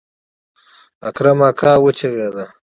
اکرم اکا وچغېده.